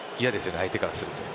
相手からすると。